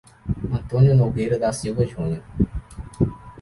Antônio Nogueira da Silva Junior